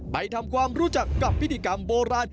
ไปทำความรู้จักกับพิธีกรรมโบราณ